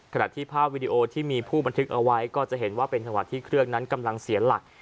ขณะที่ภาพวิดีโอที่มีผู้บันทึกเอาไว้ก็จะเห็นว่าเป็นจังหวัดที่เครื่องนั้นกำลังเสียหลัก